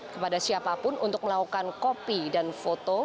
kepada siapapun untuk melakukan kopi dan foto